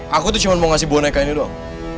aku tuh cuma mau ngasih boneka ini doang